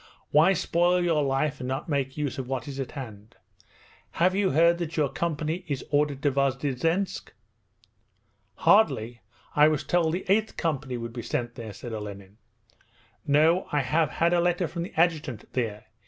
Why spoil your life and not make use of what is at hand? Have you heard that our company is ordered to Vozdvizhensk?' 'Hardly. I was told the 8th Company would be sent there,' said Olenin. 'No. I have had a letter from the adjutant there.